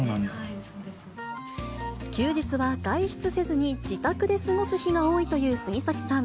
休日は、外出せずに自宅で過ごす日が多いという杉咲さん。